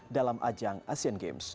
dalam ajang asean games dua ribu delapan belas